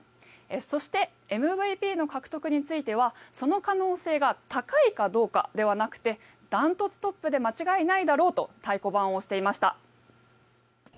そして、ＭＶＰの獲得についてはその可能性が高いかどうかではなくて断トツトップで間違いないだろうと太鼓判を押していました。